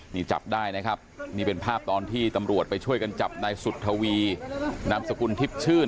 นี่จับได้นะครับนี่เป็นภาพตอนที่ตำรวจไปช่วยกันจับนายสุธวีนามสกุลทิพย์ชื่น